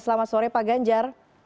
selamat sore pak ganjar